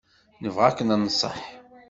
Nebɣa ad k-nenṣeḥ.